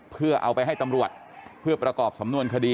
เพื่อเอาไปให้ตำรวจเพื่อประกอบสำนวนคดี